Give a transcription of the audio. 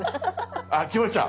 あっきました！